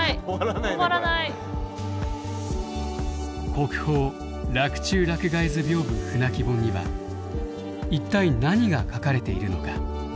国宝「洛中洛外図屏風舟木本」には一体何が描かれているのか。